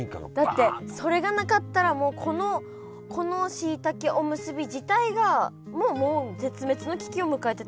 だってそれがなかったらもうこのこのしいたけおむすび自体ももう絶滅の危機を迎えてたかもしれないじゃないですか。